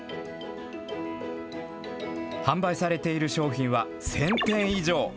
販売されている商品は、１０００点以上。